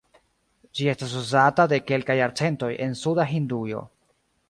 Ĝi estas uzata de kelkaj jarcentoj en suda Hindujo.